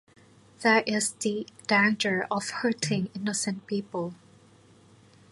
There is the danger of hurting innocent people.